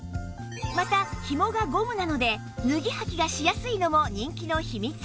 また紐がゴムなので脱ぎ履きがしやすいのも人気の秘密